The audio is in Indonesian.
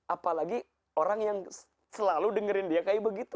apalagi orang yang selalu dengerin dia kayak begitu